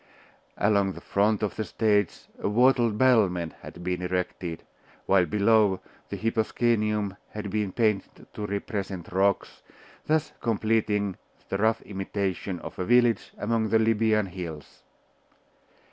Along the front of the stage a wattled battlement had been erected, while below, the hyposcenium had been painted to represent rocks, thus completing the rough imitation of a village among the Libyan hills.